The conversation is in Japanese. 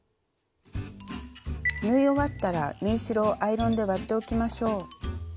縫い終わったら縫い代をアイロンで割っておきましょう。